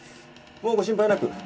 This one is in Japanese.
もうご心配なく。